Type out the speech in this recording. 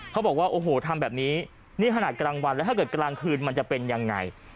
เขาบอกว่าโอ้โหทำแบบนี้นี่ขนาดกลางวันแล้วถ้าเกิดกลางคืนมันจะเป็นยังไง